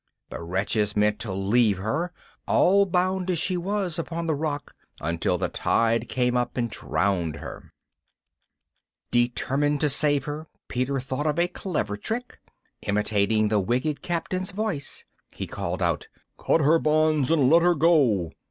The wretches meant to leave her, all bound as she was, upon the rock, until the tide came up and drowned her. [Illustration: SHE SLIPPED OUT OF HIS GRASP] Determined to save her, Peter thought of a clever trick. Imitating the wicked Captain's voice he called out: "Cut her bonds and let her go!"